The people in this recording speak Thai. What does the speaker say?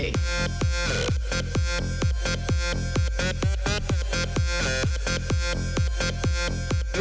โอ้โฮ